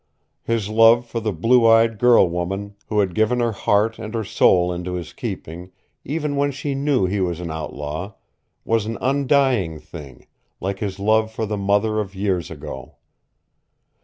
His love for the blue eyed girl woman who had given her heart and her soul into his keeping, even when she knew he was an outlaw, was an undying thing, like his love for the mother of years ago.